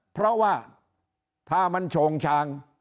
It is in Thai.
เพราะว่าถ้ามันโฉงชาง